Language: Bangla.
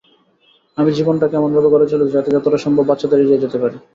আমি জীবনটাকে এমনভাবে গড়ে তুলেছি যাতে যতটা সম্ভব বাচ্চাদের এড়িয়ে যেতে পারি।